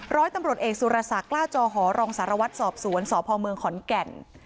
ร้อยตำรวจเอกสุรศักดิ์กล้าจอหอรองสารวัตรสอบสวนสพเมืองขอนแก่น